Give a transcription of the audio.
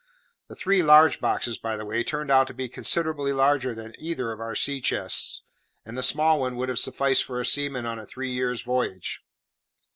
The three large boxes, by the way, turned out to be considerably larger than either of our sea chests, and the small one would have sufficed for a seaman on a three years' voyage.